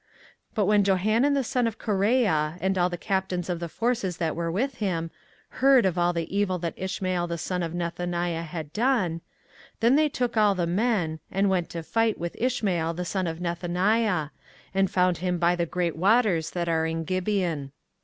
24:041:011 But when Johanan the son of Kareah, and all the captains of the forces that were with him, heard of all the evil that Ishmael the son of Nethaniah had done, 24:041:012 Then they took all the men, and went to fight with Ishmael the son of Nethaniah, and found him by the great waters that are in Gibeon.